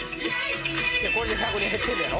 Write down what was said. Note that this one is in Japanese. これで１００人減ってんのやろ。